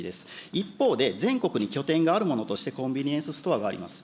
一方で全国に拠点があるものとしてコンビニエンスストアがあります。